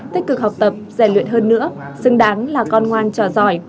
tích cực học tập rèn luyện hơn nữa xứng đáng là con ngoan trò giỏi